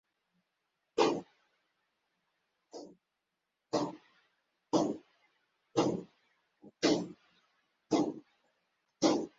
তবে বিশ্ব স্বাস্থ্য সংস্থা ওষুধের সংজ্ঞা এমন কঠোরভাবে আরোপ করে না।